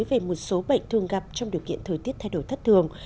về một số bệnh thường gặp trong điều kiện thời tiết thay đổi thất thường